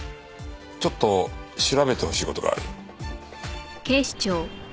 ちょっと調べてほしい事がある。